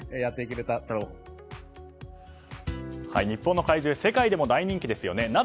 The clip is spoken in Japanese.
日本の怪獣世界でも大人気ですよね。